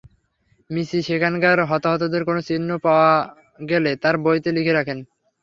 মিচি সেখানকার হতাহতের কোন চিহ্ন পাওয়া গেলে তার বইতে লিখে রাখেন।